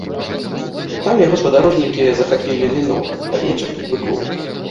Там яго спадарожнікі захапілі віно, авечак і быкоў.